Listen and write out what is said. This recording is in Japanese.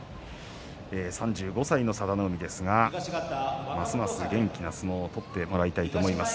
３５歳の佐田の海ますます元気な相撲を取ってもらいたいと思います。